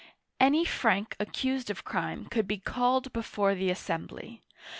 Any Frank accused of crime could be called before the assembly.